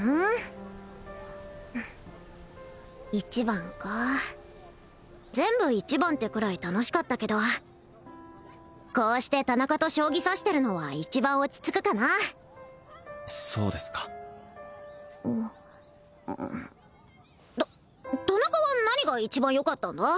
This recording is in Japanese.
ううん一番か全部一番ってくらい楽しかったけどこうして田中と将棋指してるのは一番落ち着くかなそうですかた田中は何が一番よかったんだ？